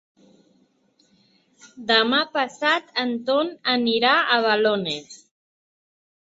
Demà passat en Ton anirà a Balones.